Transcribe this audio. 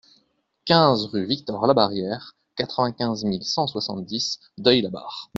quinze rue Victor Labarrière, quatre-vingt-quinze mille cent soixante-dix Deuil-la-Barre